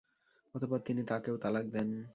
অতঃপর তিনি তাঁকেও তালাক দেন।